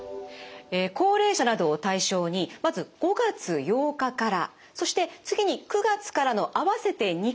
高齢者などを対象にまず５月８日からそして次に９月からの合わせて２回ですね